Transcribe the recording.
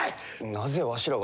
なぜわしらが。